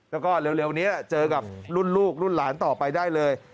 แล้วก็เร็วนี้เจอกับรุ่นลูกรุ่นหลานต่อไปได้เลย